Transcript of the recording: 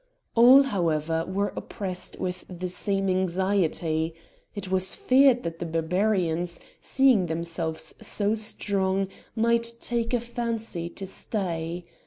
All, however, were oppressed with the same anxiety; it was feared that the Barbarians, seeing themselves so strong, might take a fancy to stay.